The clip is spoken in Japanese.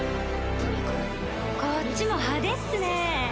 こっちも派手っすねぇ。